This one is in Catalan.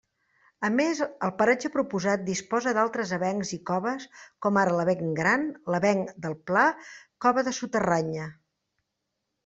A més el paratge proposat disposa d'altres avencs i coves com ara l'avenc Gran, avenc del Pla, Cova de Soterranya.